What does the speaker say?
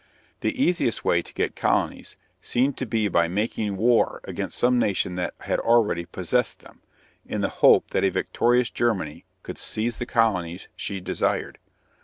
The easiest way to get colonies seemed to be by making war against some nation that already possessed them, in the hope that a victorious Germany could seize the colonies she desired.